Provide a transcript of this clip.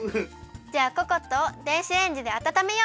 じゃあココットを電子レンジであたためよう！